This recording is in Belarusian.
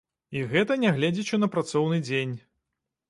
І гэта нягледзячы на працоўны дзень.